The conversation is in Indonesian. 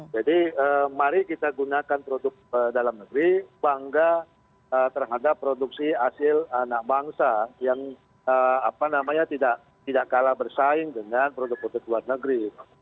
jadi mari kita gunakan produk dalam negeri bangga terhadap produksi hasil anak bangsa yang tidak kalah bersaing dengan produk produk luar negeri